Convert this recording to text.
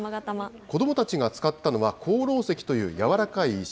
子どもたちが使ったのは、高ろう石という柔らかい石。